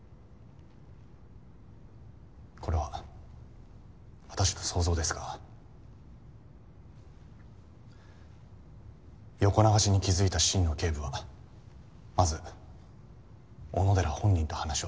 これは私の想像ですが横流しに気付いた心野警部はまず小野寺本人と話をした。